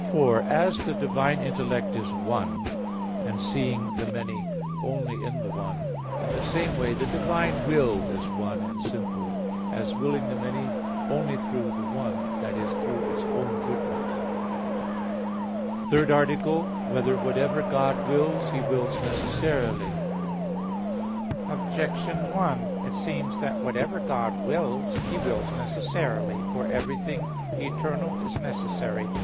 4: As the divine intellect is one, as seeing the many only in the one, in the same way the divine will is one and simple, as willing the many only through the one, that is, through its own goodness. _______________________ THIRD ARTICLE [I, Q. 19, Art. 3] Whether Whatever God Wills He Wills Necessarily? Objection 1: It seems that whatever God wills He wills necessarily. For everything eternal is necessary.